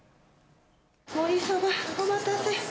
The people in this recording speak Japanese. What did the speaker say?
盛りそば、お待たせ。